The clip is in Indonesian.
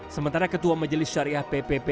sementara ketua majelis syariah ppp